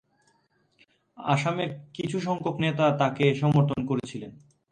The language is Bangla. আসামের কিছুসংখ্যক নেতা তাকে সমর্থন করেছিলেন।